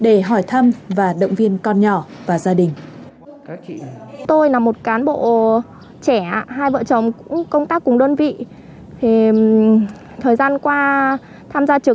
để hỏi thăm và động viên con nhỏ và gia đình